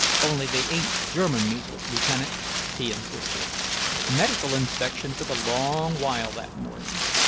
"Only they ain't German measles, Lieutenant," he insisted. Medical inspection took a long while that morning.